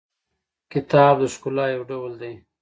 کتاب د ښکلا یو ډول دی.